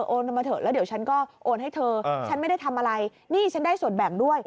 มาเถอะแล้วเดี๋ยวฉันก็โอนให้เธอฉันไม่ได้ทำอะไรนี่ฉันได้ส่วนแบ่งด้วย